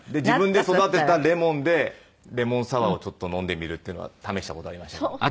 自分で育てたレモンでレモンサワーをちょっと飲んでみるっていうのは試した事ありましたけども。